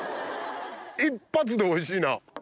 一発でおいしいな。